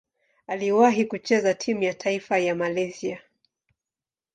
Aliwahi kucheza timu ya taifa ya Malaysia.